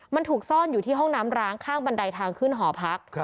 มันถูกซ่อนอยู่ที่ห้องน้ำร้างข้างบันไดทางขึ้นหอพัก